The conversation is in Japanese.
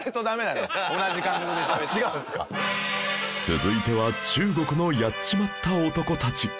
続いては中国のやっちまった男たち